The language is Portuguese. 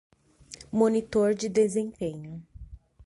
Monitor de desempenho